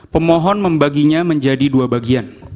pemohon membaginya menjadi dua bagian